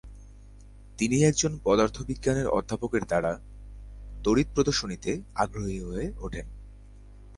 তিনি একজন পদার্থ বিজ্ঞানের অধ্যাপকের দ্বারা তড়িৎ প্রদর্শনীতে আগ্রহী হয়ে ওঠেন।